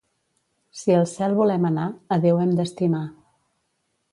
Si al cel volem anar, a Déu hem d'estimar.